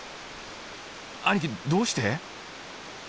兄貴どうして？